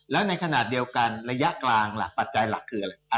แล้วในขณะเดียวกันระยะกลางล่ะปัจจัยหลักคืออะไร